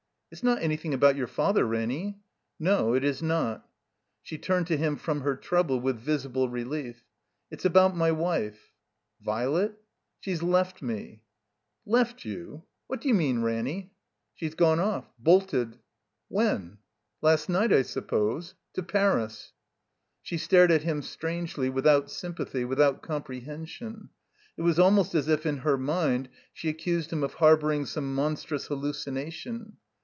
"It's not anjrthing about your Father, Ranny?" "No, it is not." (She turned to him from her trouble with visible relief.) "It's about my wife." "Vilet?" "She's left me." " Left you? What d'you mean, Ranny?" " She's gone off— Bolted." "When?" "Last night, I suppose — ^to Paris." She stared at him strangely, without sympathy, without comprehension. It was almost as if in her mind she accused him of harboring some monstrous hallucination.